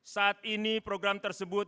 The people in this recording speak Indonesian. saat ini program tersebut